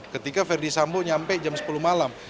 ketika verdi sambo nyampe jam sepuluh malam